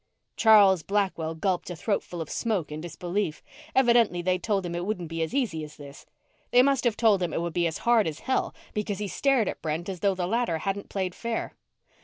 Charles Blackwell gulped a throatful of smoke in disbelief. Evidently they'd told him it wouldn't be as easy as this. They must have told him it would be as hard as hell, because he stared at Brent as though the latter hadn't played fair.